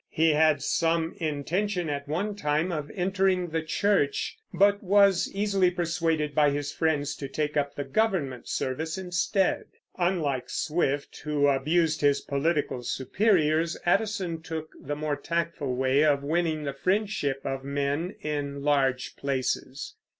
He had some intention, at one time, of entering the Church, but was easily persuaded by his friends to take up the government service instead. Unlike Swift, who abused his political superiors, Addison took the more tactful way of winning the friendship of men in large places.